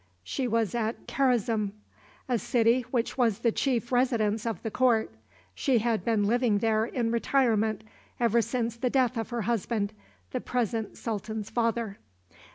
She was at Karazm, a city which was the chief residence of the court. She had been living there in retirement ever since the death of her husband, the present sultan's father.